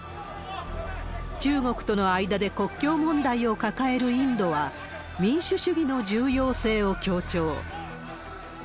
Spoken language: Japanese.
中国との間で国境問題を抱えるインドは、民主主義の重要性を強調。